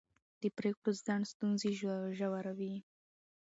د پرېکړو ځنډ ستونزې ژوروي